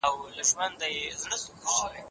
څېړونکی د متن قوتونه ولي ښيي؟